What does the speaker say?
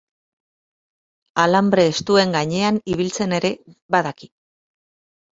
Alanbre estuen gainean ibiltzen ere badaki.